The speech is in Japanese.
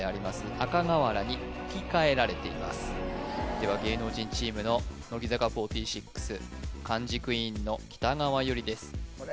赤瓦にふき替えられていますでは芸能人チームの乃木坂４６漢字クイーンの北川悠理です